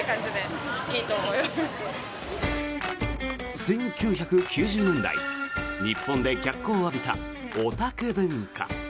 １９９０年代日本で脚光を浴びたオタク文化。